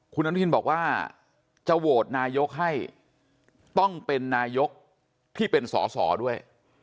คุณอนุทินบอกว่าจะโหวตนายกให้ต้องเป็นนายกที่เป็นสอสอด้วย